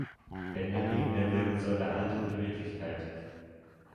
Bänder geben der Wirbelsäule Halt und Beweglichkeit.